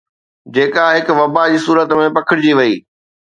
جيڪا هن وبا جي صورت ۾ پکڙجي وئي